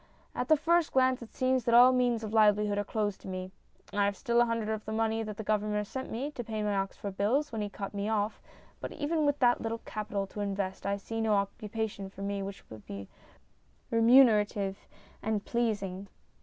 At the first glance it seems that MINIATURES 269 all means of livelihood are closed to me. I have still a hundred of the money the governor sent me to pay my Oxford bills, when he cut me off, but even with that little capital to invest I see no occupation for me which would be remunerative and pleasing.